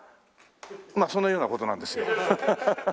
まあそのような事なんですよ。